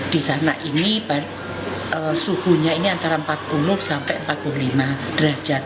di sana ini suhunya ini antara empat puluh sampai empat puluh lima derajat